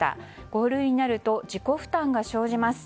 五類になると自己負担が生じます。